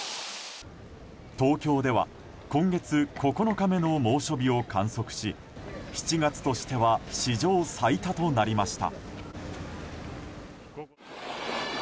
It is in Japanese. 東京では今月９日目の猛暑日を観測し７月としては史上最多となりました。